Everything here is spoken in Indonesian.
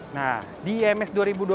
nah di ems dua ribu dua puluh tiga